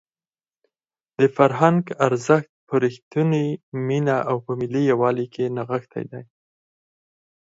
د فرهنګ ارزښت په رښتونې مینه او په ملي یووالي کې نغښتی دی.